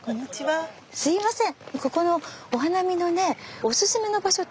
すいません。